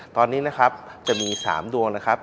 ตอนนี้นะครับจะมี๓ดวงนะครับ